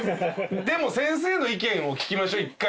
でも先生の意見を聞きましょ１回。